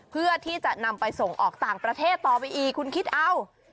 เพื่อที่จะนำไปส่งออกต่างประเทศต่อไปอีกคุณคิดเอา